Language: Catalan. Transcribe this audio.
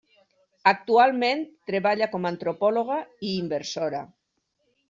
Actualment, treballa com a antropòloga i inversora.